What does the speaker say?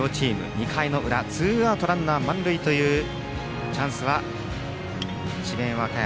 ２回の裏ツーアウトランナー満塁というチャンスは智弁和歌山。